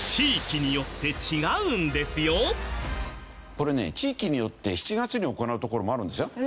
これね地域によって７月に行う所もあるんですよ。